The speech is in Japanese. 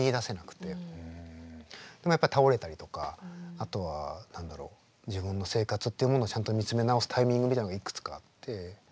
でもやっぱり倒れたりとかあとは何だろう自分の生活っていうものをちゃんと見つめ直すタイミングみたいなのがいくつかあって。